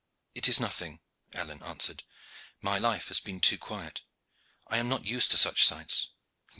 "It is nothing," Alleyne answered. "My life has been too quiet, I am not used to such sights."